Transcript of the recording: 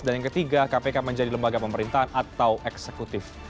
dan yang ketiga kpk menjadi lembaga pemerintahan atau eksekutif